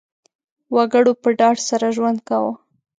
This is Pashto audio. وګړو په ډاډ سره ژوند کاوه.